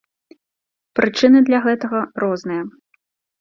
Прычыны для гэтага розныя.